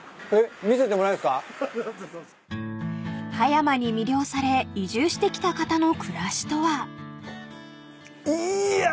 ［葉山に魅了され移住してきた方の暮らしとは］いや！